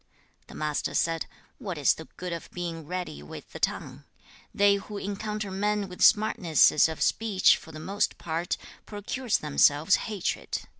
2. The Master said, 'What is the good of being ready with the tongue? They who encounter men with smartnesses of speech for the most part procure themselves hatred.